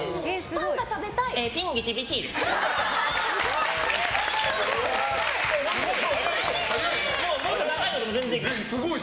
パンが食べたい。